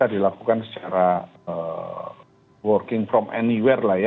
dilakukan secara working from anywhere lah ya